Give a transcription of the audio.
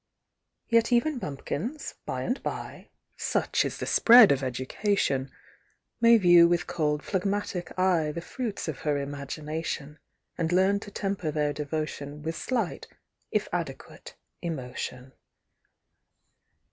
Yet even bumpkins, by and by, (Such is the spread of education) May view with cold, phlegmatic eye The fruits of her imagination, And learn to temper their devotion With slight, if adequate, emotion.